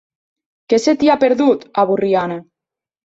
Què se t'hi ha perdut, a Borriana?